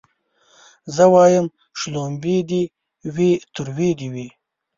زه وايم شلومبې دي وي تروې دي وي